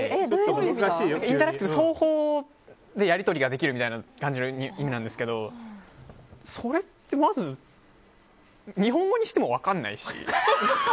インタラクティブ双方でやり取りができるという感じの意味なんですけどそれってまず日本語にしても分からないし。